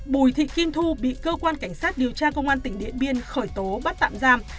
bùi thị kim thu bị cơ quan cảnh sát điều tra công an tỉnh điện biên khởi tố bắt tạm giam